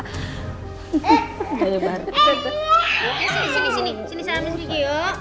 sini sini sini salam sedikit yuk